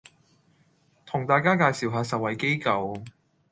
同大家介紹下受惠機構